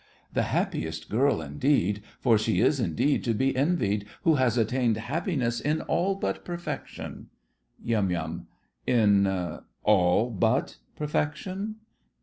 The happiest girl indeed, for she is indeed to be envied who has attained happiness in all but perfection. YUM. In "all but" perfection?